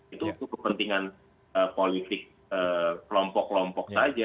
itu untuk kepentingan politik kelompok kelompok saja